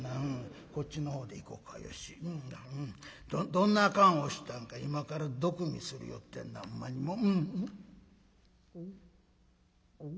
どんな燗をしたんか今から毒味するよってんなほんまにもう」。